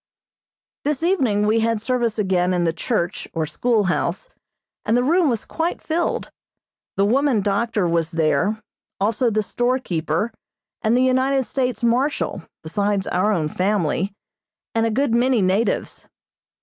This evening we had service again in the church or schoolhouse, and the room was quite filled. The woman doctor was there, also the storekeeper and the United States Marshal, besides our own family, and a good many natives.